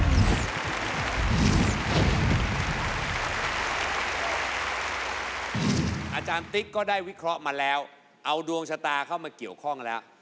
อาจารย์ติ๊กก็ได้วิเคราะห์มาแล้วเอาดวงชะตาเข้ามาเกี่ยวข้องแล้ว